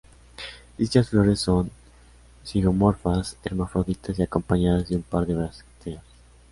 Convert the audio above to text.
Dichas flores son zigomorfas, hermafroditas y acompañadas de un par de brácteas.